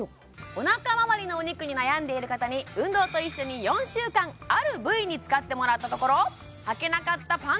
お腹周りのお肉に悩んでいる方に運動と一緒に４週間ある部位に使ってもらったところああ